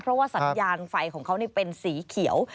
เพราะว่าสัญญาณไฟของเขาเป็นสีเขียว